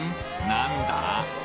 何だ？